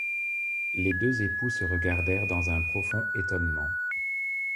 Les deux époux se regardèrent dans un profond étonnement.